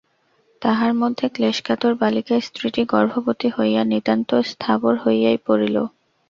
তাহার মধ্যে ক্লেশকাতর বালিকা স্ত্রীটি গর্ভবতী হইয়া নিতান্ত স্থাবর হইয়াই পড়িল।